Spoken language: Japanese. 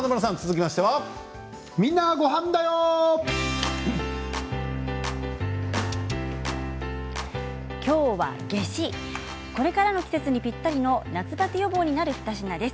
きょうは夏至これからの季節にぴったりの夏バテ予防になる２品です。